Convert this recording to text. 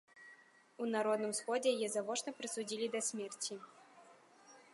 У народным сходзе яе завочна прысудзілі да смерці.